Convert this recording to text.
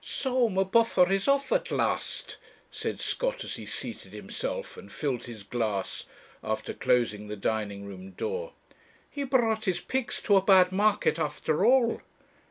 'So M'Buffer is off at last,' said Scott, as he seated himself and filled his glass, after closing the dining room door. 'He brought his pigs to a bad market after all.'